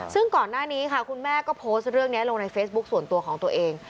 ซึ่งก่อนหน้านี้ค่ะคุณแม่ก็โพสต์เรื่องนี้ลงในเฟซบุ๊คส่วนตัวของตัวเอง